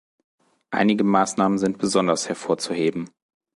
Einige Maßnahmen sind besonders hervorzuheben.